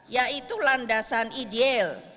yaitu landasan ideal